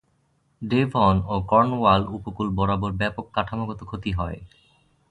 Devon ও Cornwall উপকূল বরাবর ব্যাপক কাঠামোগত ক্ষতি হয়।